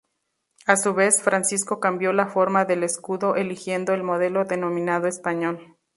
A su vez, Francisco cambió la forma del escudo, eligiendo el modelo denominado "español".